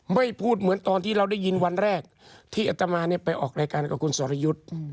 ไม่พูดเหมือนตอนที่เราได้ยินวันแรกที่อัตมาไปออกรายการกับคุณสรยุทธ์